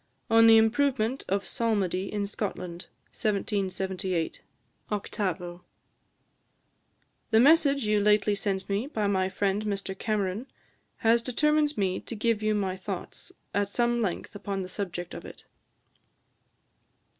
on the Improvement of Psalmody in Scotland. 1778, 8vo:" "The message you lately sent me, by my friend Mr Cameron, has determined me to give you my thoughts at some length upon the subject of it."